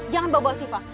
jangan bawa bawa siva